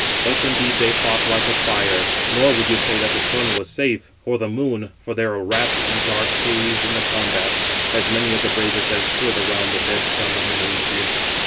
Thus indeed they fought, like a fire; nor would you say that the Sun was safe, or the Moon, for they were wrapt in dark haze in the combat, as many of the bravest as stood around the dead son of Menœtius.